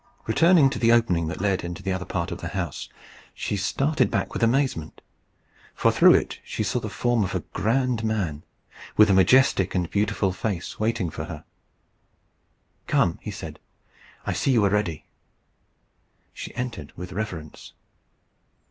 Returning to the opening that led into the other part of the house, she started back with amazement, for through it she saw the form of a grand man, with a majestic and beautiful face, waiting for her. "Come," he said; "I see you are ready." She entered with reverence.